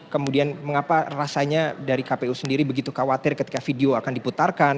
kemudian mengapa rasanya dari kpu sendiri begitu khawatir ketika video akan diputarkan